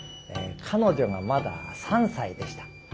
彼女がまだ３歳でした。